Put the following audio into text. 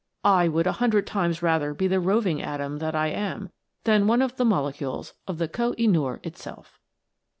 I would a hundred times rather be the roving atom that I am, than one of the molecules of the Koh i noor itself.